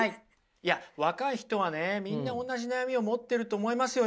いや若い人はねみんな同じ悩みを持ってると思いますよ